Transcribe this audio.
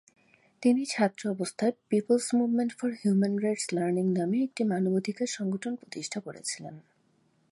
তিনি ছাত্রাবস্থায় People's Movement for Human Rights Learning নামে একটি মানবাধিকার সংগঠন প্রতিষ্ঠা করেছিলেন।